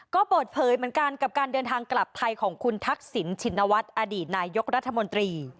ก็เปิดเผยเหมือนกันกับการเดินทางกลับไทยของคุณทักษิณชินวัฒน์อดีตนายกรัฐมนตรี